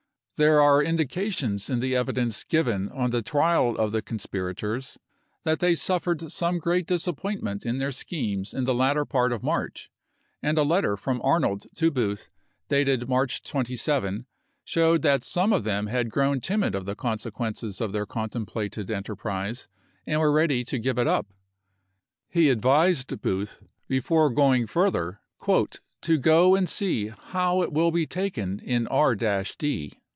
There are indications in the evidence given on the trial of the conspirators that they suffered some great disappointment in their schemes in the 1865. latter part of March, and a letter from Arnold to ibid., p. 236. Booth, dated March 27, showed that some of them had grown timid of the consequences of their con templated enterprise and were ready to give it up. He advised Booth, before going further, "to go and see how it will be taken in R — d.